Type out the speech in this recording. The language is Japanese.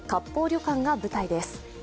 旅館が舞台です。